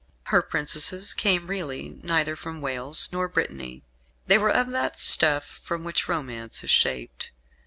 Her princesses came really neither from Wales nor Brittany. They were of that stuff from which romance is shaped.